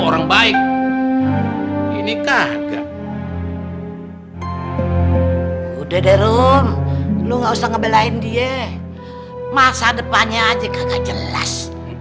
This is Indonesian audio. orang baik ini kagak udah rum lu nggak usah ngebelain dia masa depannya aja kagak jelas